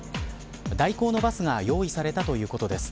代行のバスが用意されたということです。